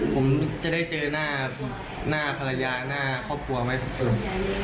ผมจะได้เจอหน้าภรรยาหน้าครอบครัวไหมทุกคน